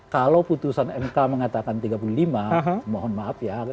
kalau putusan mk mengatakan tiga puluh lima mohon maaf ya